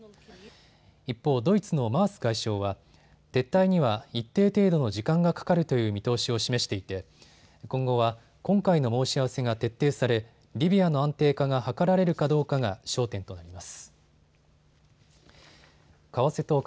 一方、ドイツのマース外相は撤退には一定程度の時間がかかるという見通しを示していて今後は今回の申し合わせが徹底されリビアの安定化が図られるかどうかが焦点となります。